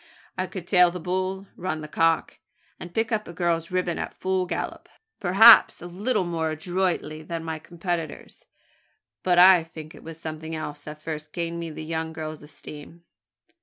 I could `tail the bull,' `run the cock,' and pick up a girl's ribbon at full gallop perhaps a little more adroitly than my competitors; but I think it was something else that first gained me the young girl's esteem.